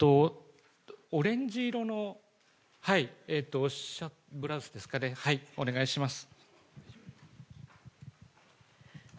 オレンジ色のブラウスですかね、お願いします。